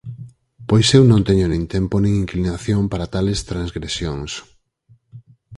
Pois eu non teño nin tempo nin inclinación para tales transgresións.